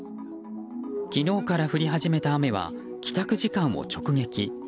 昨日から降り始めた雨は帰宅時間を直撃。